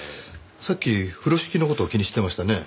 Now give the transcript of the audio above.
さっき風呂敷の事を気にしてましたね？